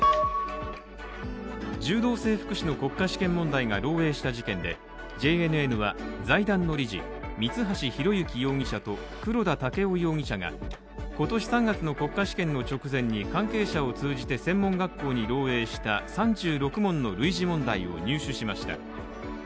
柔道整復師の国家試験問題が漏えいした事件でＪＮＮは、財団の理事、三橋裕之容疑者と黒田剛生容疑者がことし３月の国家試験の直前に関係者を通じて専門学校に漏えいした３６問の類似問題を入手しました。